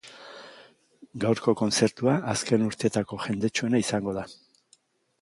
Gaurko kontzertua azken urteetako jendetsuena izango da.